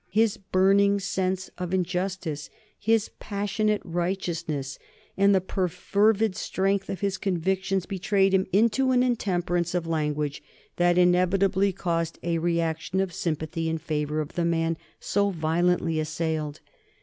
His burning sense of injustice, his passionate righteousness, and the perfervid strength of his convictions betrayed him into an intemperance of language that inevitably caused a reaction of sympathy in favor of the man so violently assailed.